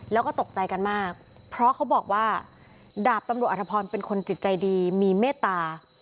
แล้วก็ตกใจกันมากเพราะเขาบอกว่าดาบตำรวจอธพรเป็นคนจิตใจดีมีเมตตา